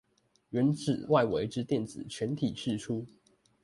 原子外圍之電子全體釋出